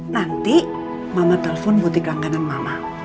nanti mama telpon butik langganan mama